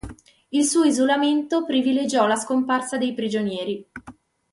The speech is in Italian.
Il suo isolamento privilegiò la scomparsa dei prigionieri.